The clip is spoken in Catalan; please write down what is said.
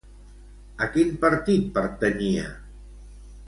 A quin partit pertanyia?